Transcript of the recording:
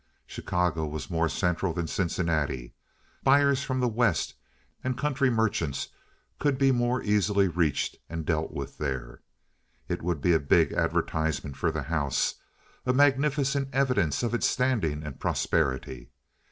Chicago was more central than Cincinnati. Buyers from the West and country merchants could be more easily reached and dealt with there. It would be a big advertisement for the house, a magnificent evidence of its standing and prosperity.